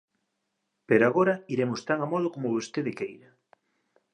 pero agora iremos tan amodo como vostede queira.